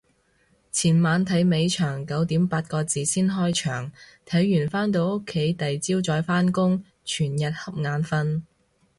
前晚睇尾場九點八個字先開場，睇完返到屋企第朝再返工，全日恰眼瞓